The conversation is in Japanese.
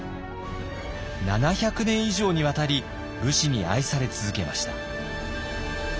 ７００年以上にわたり武士に愛され続けました。